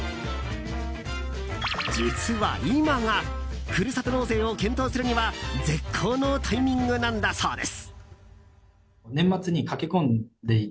実は今がふるさと納税を検討するには絶好のタイミングなんだそうです。